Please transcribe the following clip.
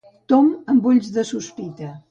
Tom amb ulls de sospita.